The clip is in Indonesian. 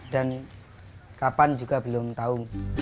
kapan juga belum tahu